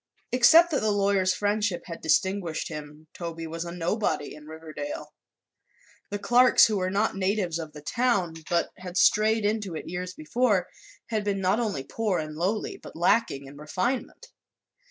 Except that the lawyer's friendship had distinguished him, Toby was a nobody in Riverdale. The Clarks, who were not natives of the town but had strayed into it years before, had been not only poor and lowly but lacking in refinement.